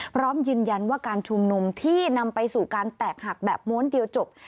พร้อมยืนยันว่าการชุมนุมที่นำไปสู่การแตกหักแบบม้วนเดียวจบ